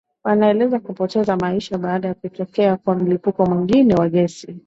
wanaeleza kupoteza maisha baada ya kutokea kwa mlipuko mwingine wa gesi